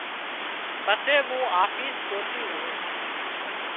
پسي مُون آفيسي پوتِي زُون سُون۔